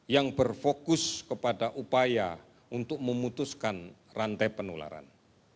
yang berfokus kepada upaya untuk memutuskan rantai penularan